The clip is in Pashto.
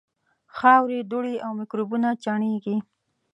خاورې، دوړې او میکروبونه چاڼېږي.